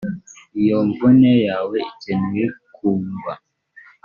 iyo mvune yawe ikenewe kungwa